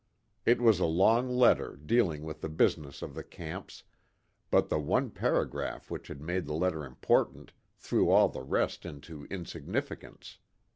It was a long letter dealing with the business of the camps, but the one paragraph which had made the letter important threw all the rest into insignificance.